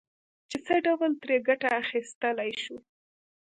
چې څه ډول ترې ګټه اخيستلای شو.